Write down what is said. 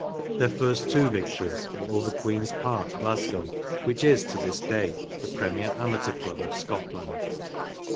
Their first two victories were over Queen's Park, Glasgow, which is to this day the premier amateur club of Scotland.